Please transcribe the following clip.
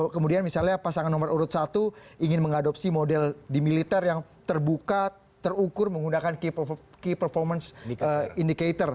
kemudian misalnya pasangan nomor urut satu ingin mengadopsi model di militer yang terbuka terukur menggunakan key performance indicator